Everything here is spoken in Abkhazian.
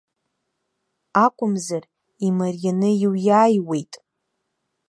Акәымзар, имарианы иуиааиуеит!